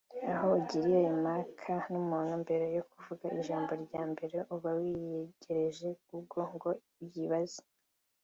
aho ugiriye impaka n’umuntu mbere yo kuvuga ijambo rya mbere uba wiyegereje google ngo uyibaze